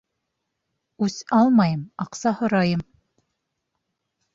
-Үс алмайым, аҡса һорайым.